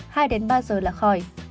hai ba giờ là khỏi